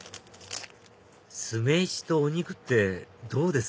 酢飯とお肉ってどうです？